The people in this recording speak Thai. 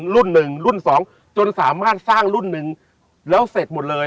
รุ่นหนึ่งรุ่นสองจนสามารถสร้างรุ่นหนึ่งแล้วเสร็จหมดเลย